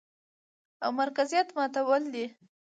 او مرکزيت ماتول دي،